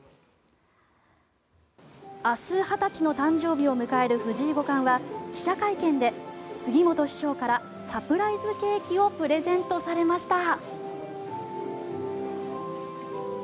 明日２０歳の誕生日を迎える藤井五冠は記者会見で、杉本師匠からサプライズケーキをプレゼントされました。